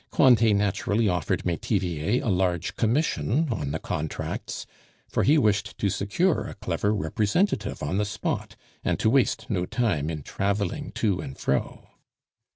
Cointet naturally offered Metivier a large commission on the contracts, for he wished to secure a clever representative on the spot, and to waste no time in traveling to and fro.